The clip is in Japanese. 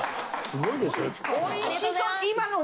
すごいでしょ？